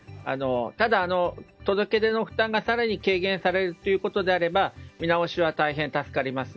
ただ、届け出の負担が更に軽減されるということなら見直しは大変助かります。